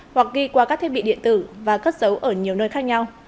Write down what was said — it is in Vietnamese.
hoặc ghi qua các thiết bị điện tử và cất dấu ở nhiều nơi khác nhau